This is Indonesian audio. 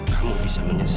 kamu bisa menyesal